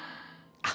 あっ！